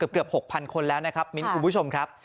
เกือบ๖๐๐คนแล้วนะครับมิ้นคุณผู้ชมครับ